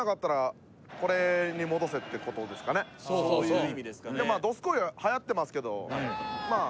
そういう意味ですかね